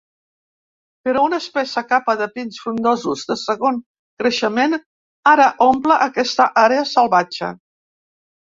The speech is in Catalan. Però una espessa capa de pins frondosos de segon creixement ara omple aquesta àrea salvatge.